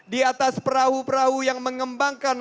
di atas perahu perahu yang mengembangkan